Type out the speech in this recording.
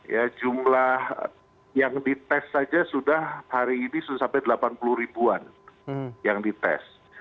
ya jumlah yang dites saja sudah hari ini sudah sampai delapan puluh ribuan yang dites